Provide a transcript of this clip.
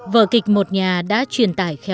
vờ kịch một nhà đã truyền tải khéo léo